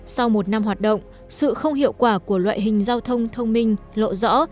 sau một năm hoạt động sự không hiệu quả của loại hình giao thông thông minh lộ rõ